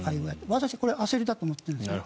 私はこれは焦りだと思っているんですね。